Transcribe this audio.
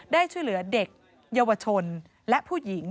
ได้ช่วยเหลือเด็กเยาวชนและผู้หญิง